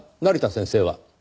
成田先生は？